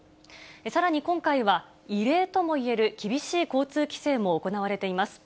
さらに今回は、異例ともいえる厳しい交通規制も行われています。